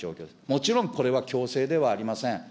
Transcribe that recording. もちろんこれは強制ではありません。